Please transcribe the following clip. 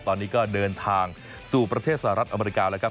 ตอนนี้ก็เดินทางสู่ประเทศสหรัฐอเมริกาแล้วครับ